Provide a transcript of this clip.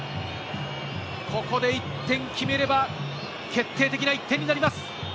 ここで１点決めれば、決定的な１点になります。